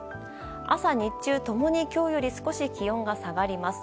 朝、日中共に今日より少し気温が下がります。